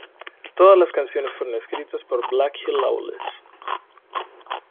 Todas las canciones fueron escritas por Blackie Lawless.